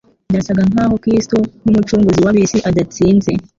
Byasagank'aho Kristo nk'Umucunguzi w'ab'isi adatsinze.